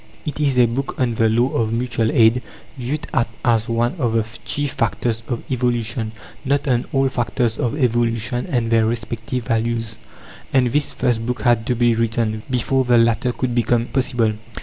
It is a book on the law of Mutual Aid, viewed at as one of the chief factors of evolution not on all factors of evolution and their respective values; and this first book had to be written, before the latter could become possible.